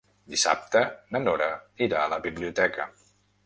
Dissabte na Nora irà a la biblioteca.